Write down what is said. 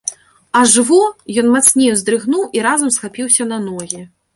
Аж во, ён мацней уздрыгнуў і разам схапіўся на ногі.